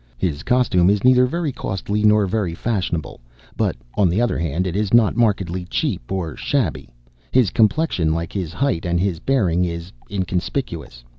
His costume is neither very costly nor very fashionable, but, on the other hand, it is not markedly cheap or shabby; his complexion, like his height and his bearing, is inconspicuous.